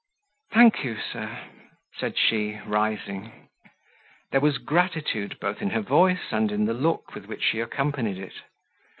"Thank you, sir," said she, rising. There was gratitude both in her voice and in the look with which she accompanied it.